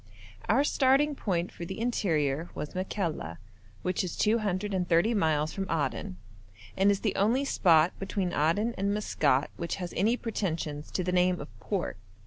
Our starting point for the interior was Makalla, which is 230 miles from Aden, and is the only spot between Aden and Maskat which has any pretensions to the name of port.